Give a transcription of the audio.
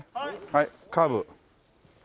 はいカーブ。